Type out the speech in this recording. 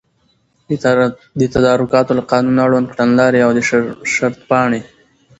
د تدارکاتو له قانون، اړوند کړنلاري او د شرطپاڼي